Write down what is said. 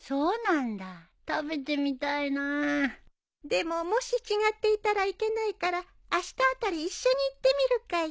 でももし違っていたらいけないからあしたあたり一緒に行ってみるかい？